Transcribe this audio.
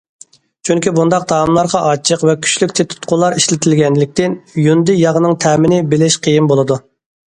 چۈنكى بۇنداق تائاملارغا ئاچچىق ۋە كۈچلۈك تېتىتقۇلار ئىشلىتىلگەنلىكتىن، يۇندى ياغنىڭ تەمىنى بىلىش قىيىن بولىدۇ.